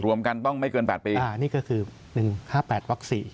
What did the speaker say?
รวมกันต้องไม่เกิน๘ปีนี่ก็คือ๑๕๘วัก๔